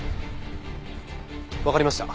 わかりました。